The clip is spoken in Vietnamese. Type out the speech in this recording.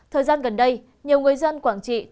thời gian gần đây nhiều người dân quảng trị